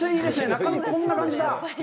中身、こんな感じだ！？